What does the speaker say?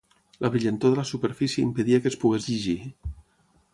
La brillantor de la superfície impedia que es pogués llegir.